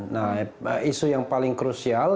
nah isu yang paling krusial